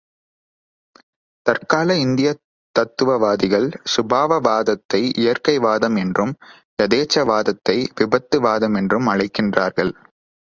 தற்கால இந்தியத் தத்துவவாதிகள் சுபாவவாதத்தை இயற்கைவாதம் என்றும், யதேச்சை வாதத்தை விபத்துவாதமென்றும் அழைக்கிறார்கள்.